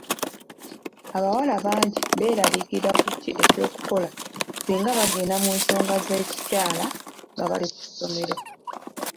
Abawala bangi beeraliikirira ku ki eky'okukola singa bagenda mu nsonga z'ekikyala nga bali ku ssomero.